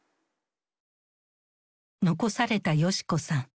残された世志子さん。